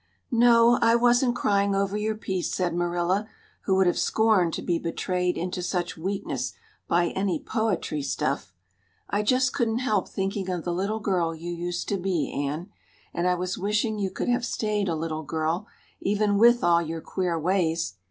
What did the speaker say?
"No, I wasn't crying over your piece," said Marilla, who would have scorned to be betrayed into such weakness by any poetry stuff. "I just couldn't help thinking of the little girl you used to be, Anne. And I was wishing you could have stayed a little girl, even with all your queer ways.